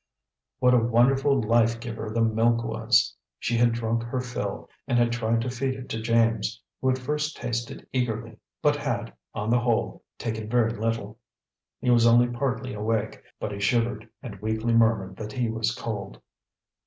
What a wonderful life giver the milk was! She had drunk her fill and had tried to feed it to James, who at first tasted eagerly, but had, on the whole, taken very little. He was only partly awake, but he shivered and weakly murmured that he was cold.